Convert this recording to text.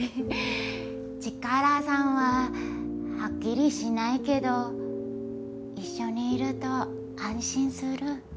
チカラさんははっきりしないけど一緒にいると安心する。